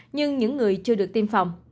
nhưng những người chưa được tiêm phòng